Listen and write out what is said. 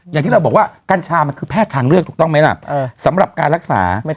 อย่างที่เราบอกว่ากัญชามันคือแพทย์ทางเลือกถูกต้องไหมล่ะสำหรับการรักษา